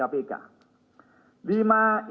lima instansi pelaksanaan